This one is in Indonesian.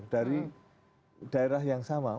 dari daerah yang sama